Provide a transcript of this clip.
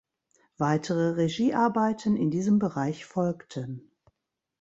Weitere Regiearbeiten in diesem Bereich folgten.